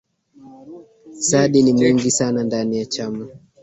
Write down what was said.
sadi ni mwingi sana ndani ya chama